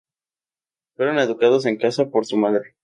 Fueron educados en casa por su madre.